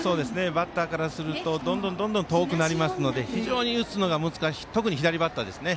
バッターからするとどんどん遠くなりますので打つのが特に左バッターですね。